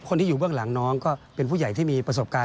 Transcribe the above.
ที่อยู่เบื้องหลังน้องก็เป็นผู้ใหญ่ที่มีประสบการณ์